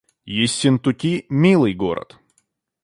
Ессентуки — милый город